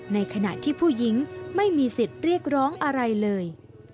ในขณะที่ผู้หญิงไม่มีสิทธิ์เรียกร้องอะไรเลย